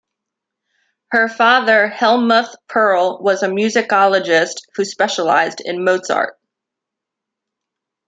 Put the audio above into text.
Her father Helmuth Perl was a musicologist who specialized in Mozart.